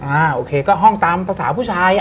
โอเคก็ห้องตามภาษาผู้ชาย